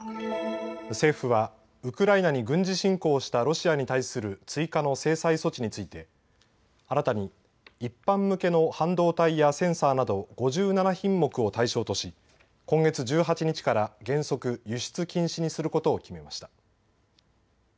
政府はウクライナに軍事侵攻したロシアに対する追加の制裁措置について新たに一般向けの半導体やセンサーなど５７品目を対象とし今月１８日から原則、輸出禁止にすることを決めました。